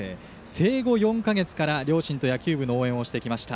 生後４か月から両親と野球部の応援をしてきました。